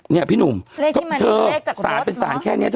เนี่ยพี่หนุ่มก็เธอสารเป็นสารแค่นี้เธอ